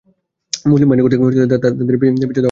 মুসলিম বাহিনী কর্তৃক তাদের পিছু ধাওয়াও তার নজরে আসে।